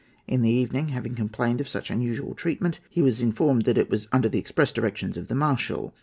In the evening, having complained of such unusual treatment, he was informed that it was under the express directions of the Marshal.